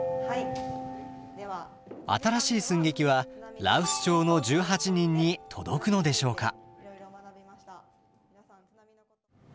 新しい寸劇は羅臼町の１８人に届くのでしょうか。